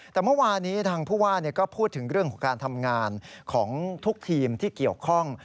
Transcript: แต่เมื่อวานี้ทางผู้ว่าก็พูดถึงเรื่องของการทำงานของทุกทีมที่เกี่ยวข้อง